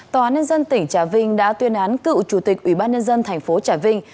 tòa án nhân dân tỉnh trà vinh đã tuyên án cựu chủ tịch ủy ban nhân dân thành phố trà vinh